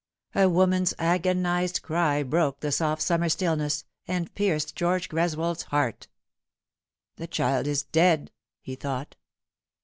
A woman's agonised cry broke the soft summer stillness, and pierced George Greswold's heart. " The child is dead !" he thought.